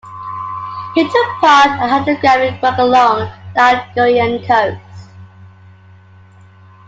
He took part in hydrographic work along the Algerian Coast.